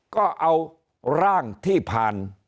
ก็เอาร่างที่ผ่าน